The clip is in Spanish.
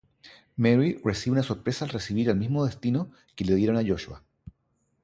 Mary recibe una sorpresa al recibir el mismo destino que le dieron a Joshua.